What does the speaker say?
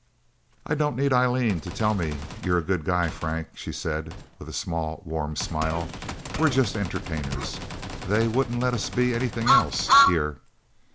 "I don't need Eileen to tell me you're a good guy, Frank," she said with a small, warm smile. "We're just entertainers. They wouldn't let us be anything else here..."